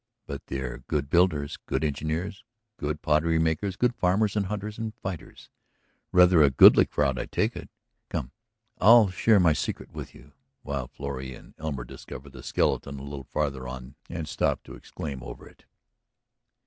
But they were good builders, good engineers, good pottery makers, good farmers and hunters and fighters; rather a goodly crowd, I take it. Come, and I'll share my secret with you while Florrie and Elmer discover the skeleton a little farther on and stop to exclaim over it."